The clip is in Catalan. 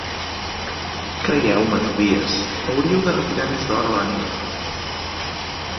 Creieu-me, Tobies, hauríeu de retirar més d’hora a la nit;